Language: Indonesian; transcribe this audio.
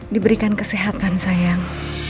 diberikan kesehatan sayang